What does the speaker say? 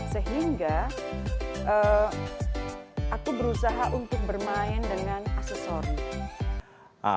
sehingga aku berusaha untuk bermain dengan aksesor